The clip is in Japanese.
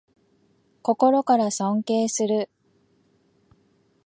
心から尊敬する